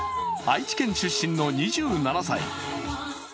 愛知県出身の２７歳。